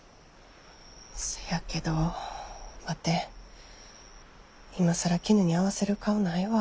せやけどワテ今更キヌに合わせる顔ないわ。